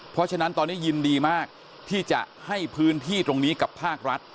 เพราะฉะนั้นตอนนี้ยินดีมากที่จะให้พื้นที่ตรงนี้กับภาครัฐ